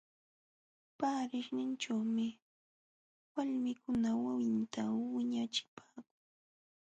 Paarishninćhuumi walmikuna wawinta wiñachipaakun.